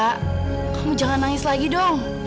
kamu jangan nangis lagi dong